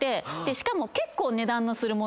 しかも結構。